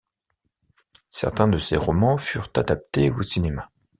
Certains de ses romans furent adaptés au cinéma.